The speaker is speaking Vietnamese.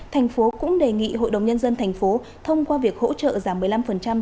thành phố cũng đề nghị hội đồng nhân dân thành phố thông qua việc hỗ trợ giảm một mươi năm